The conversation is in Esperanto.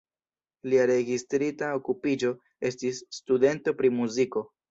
Lia registrita okupiĝo estis "studento pri muziko".